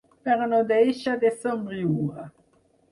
Però no deixa de somriure.